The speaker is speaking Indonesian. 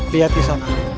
lihat di sana